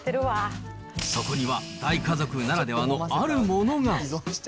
そこには大家族ならではのあるものが。